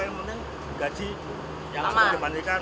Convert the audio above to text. yang penting gaji yang saya jembatikan